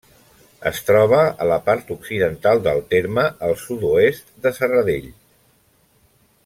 Es troba a la part occidental del terme, al sud-oest de Serradell.